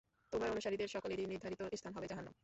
তোমার অনুসারীদের সকলেরই নির্ধারিত স্থান হবে জাহান্নাম।